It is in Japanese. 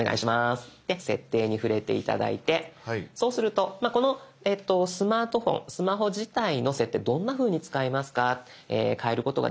で「設定」に触れて頂いてそうするとこのスマートフォンスマホ自体の設定どんなふうに使いますか変えることができますよ